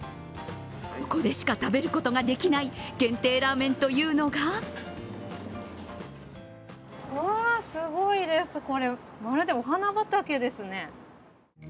ここでしか食べることができない限定ラーメンというのがうわ、すごいです、これ、まるでお花畑ですね。